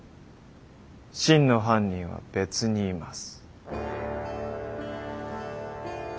真の犯人は別にいます。